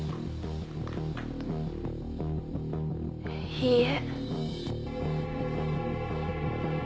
いいえ。